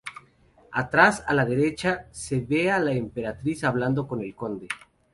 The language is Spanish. Atrás, a la derecha, se ve a la emperatriz hablando con el conde.